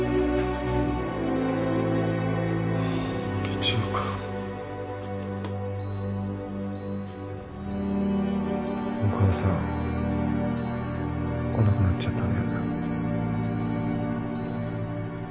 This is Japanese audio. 日曜かお母さん来なくなっちゃったね